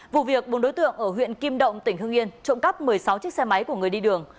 vụ việc bốn đối tượng ở huyện kim động tỉnh hưng yên trộm cắp một mươi sáu chiếc xe máy của người đi đường